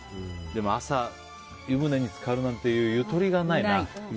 朝、湯船に浸かるなんていうゆとりがないな。